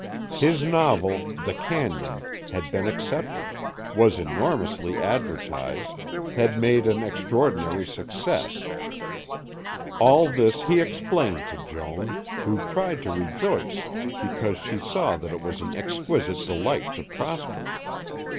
His novel, "The Cañon," had been accepted, was enormously advertised, had made an extraordinary success. All this he explained to Joan, who tried to rejoice because she saw that it was exquisite delight to Prosper.